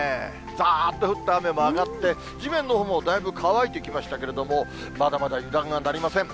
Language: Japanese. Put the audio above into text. ざーっと降った雨も上がって、地面のほうもだいぶ乾いてきましたけれども、まだまだ油断がなりません。